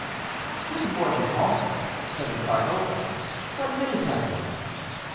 "Good morning, comte," said the cardinal; "what news have you?"